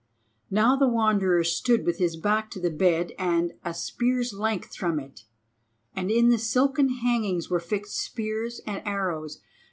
Now the Wanderer stood with his back to the bed and a spear's length from it, and in the silken hangings were fixed spears and arrows.